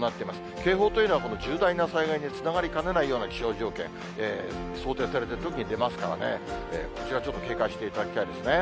警報というのは、この重大な災害につながりかねないような気象条件、想定されているときに出ますからね、これからちょっと警戒していただきたいですね。